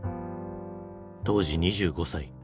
当時２５歳。